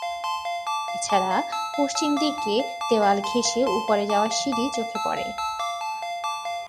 এছাড়া পশ্চিম দিকে দেওয়াল ঘেঁষে উপরে যাওয়ার সিঁড়ি চোখে পড়ে।